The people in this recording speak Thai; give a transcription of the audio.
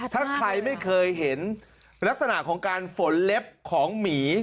ถ้าใครไม่เคยเห็นลักษณะของการฝนเล็บของหมี